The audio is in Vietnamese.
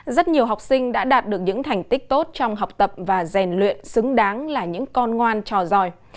rất nhiều học sinh đã đạt được những thành tích tốt trong học tập và rèn luyện xứng đáng là những con ngoan trò giỏi